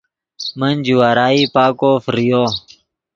من جوارائی پاکو فریو